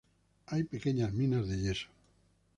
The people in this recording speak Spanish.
Hay pequeñas minas de yeso.